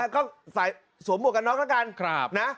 ก็ใส่สวมบวกกับน้องแล้วกัน